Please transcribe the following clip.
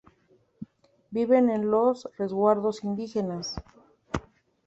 Viven en los "Resguardos Indígenas".